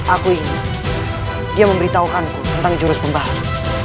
aku ingin dia memberitahukanku tentang jurus pembalik